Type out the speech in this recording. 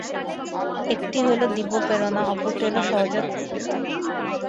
একটি হইল দিব্য প্রেরণা, অপরটি হইল সহজাত প্রবৃত্তি।